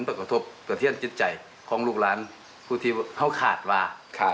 พวกเขาก็ไม่เรียกวาดว่า